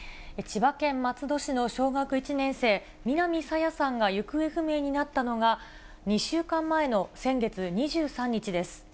千葉県松戸市の小学１年生、南朝芽さんが行方不明になったのが、２週間前の先月２３日です。